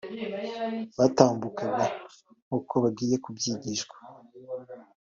Batambukaga nk’uko bagiye babyigishwa